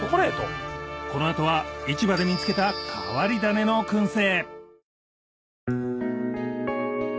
この後は市場で見つけた変わり種の燻製